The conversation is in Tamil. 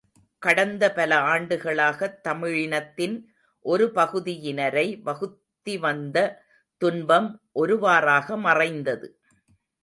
கடந்த பல ஆண்டுகளாகத் தமிழினத்தின் ஒருபகுதியினரை வகுத்திவந்த துன்பம் ஒருவாறாக மறைந்தது.